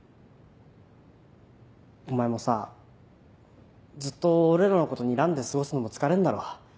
お前もさずっと俺らのことにらんで過ごすのも疲れんだろ。